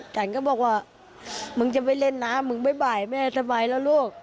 ฉันก็บอกว่ามึงจะไม่เล่นนะมึงบ่ายแม่สบายแล้วลูก